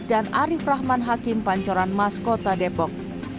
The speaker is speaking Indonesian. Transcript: dan arief rahman hakim pancoran mas kota depok